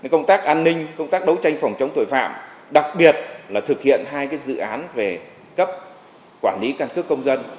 công tác an ninh công tác đấu tranh phòng chống tội phạm đặc biệt là thực hiện hai dự án về cấp quản lý căn cước công dân